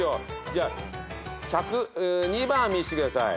じゃあ１００２番見せてください。